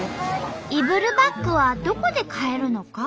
イブルバッグはどこで買えるのか？